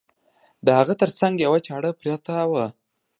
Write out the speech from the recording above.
د هغه تر څنګ یوه چاړه پرته وه.